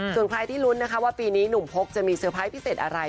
ส่วนใครที่ลุ้นนะคะว่าปีนี้หนุ่มพกจะมีเตอร์ไพรส์พิเศษอะไร